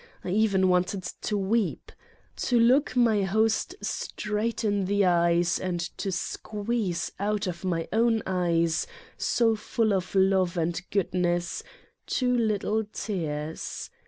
I even wanted to weep : to look my host straight in the eyes and to squeeze out of my own eyes, so full of love and goodness, two little tears.